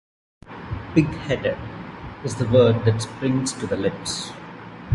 "Pig-headed" is the word that springs to the lips.